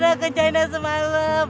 gimana ke china semalam